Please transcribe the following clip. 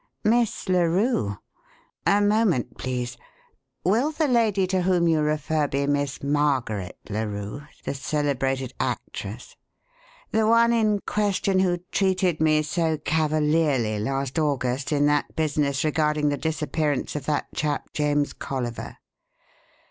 "Miss Larue? A moment, please. Will the lady to whom you refer be Miss Margaret Larue, the celebrated actress? The one in question who treated me so cavalierly last August in that business regarding the disappearance of that chap James Colliver?"